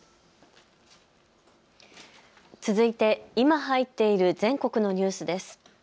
続いて今入っている全国のニュースです。